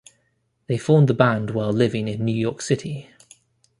They formed the band while living in New York City.